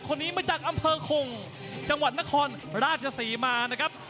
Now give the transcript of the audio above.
คนนี้มาจากอำเภอคงจังหวัดนครราชศรีมานะครับ